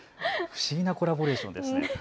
不思議なコラボレーションですね。